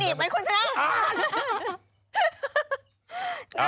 มันหนีบไหมคุณชนะ